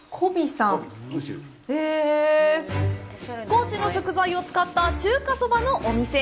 高知の食材を使った中華そばのお店。